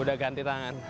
udah ganti tangan